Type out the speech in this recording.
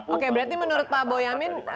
oke berarti menurut pak boyamin